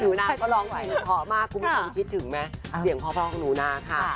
หนูนาก็ล้อมหายใจพอมากกูมีคนคิดถึงไหมเดี่ยงพ่อพ่อของหนูนาค่ะ